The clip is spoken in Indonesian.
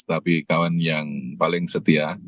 tapi kawan yang paling setia